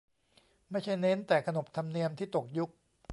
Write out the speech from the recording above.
ไม่ใช่เน้นแต่ขนบธรรมเนียม ที่ตกยุค